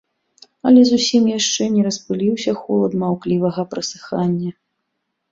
Але зусім яшчэ не расплыўся холад маўклівага прасыхання.